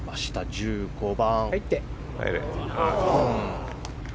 １５番。